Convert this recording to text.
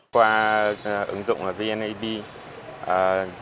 qua ứng dụng vneid